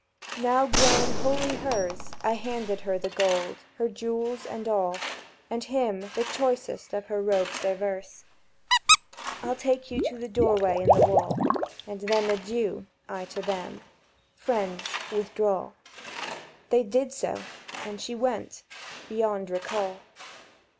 Now grown wholly hers, I handed her the gold, her jewels all, And him the choicest of her robes diverse. "I'll take you to the doorway in the wall, And then adieu," I to them. "Friends, withdraw." They did so; and she went—beyond recall.